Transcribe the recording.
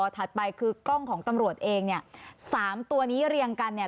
ถัดไปคือกล้องของตำรวจเองเนี่ยสามตัวนี้เรียงกันเนี่ย